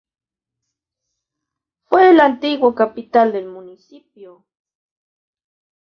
Fue la antigua capital del municipio.